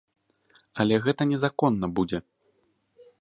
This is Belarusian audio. Але гэта незаконна будзе.